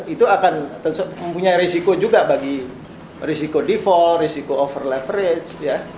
itu akan mempunyai risiko juga bagi risiko default risiko over leverage ya